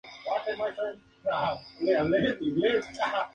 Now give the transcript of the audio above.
Sep-febrero del año siguiente.